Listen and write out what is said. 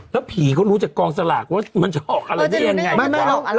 แล้วผีเขารู้จากกองสลากว่ามันจะออกอะไรได้ยังไง